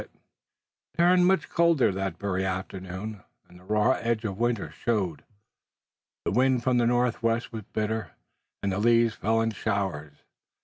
It turned much colder that very afternoon, and the raw edge of winter showed. The wind from the northwest was bitter and the dead leaves fell in showers.